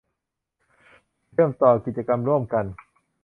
เชื่อมต่อกิจกรรมร่วมกัน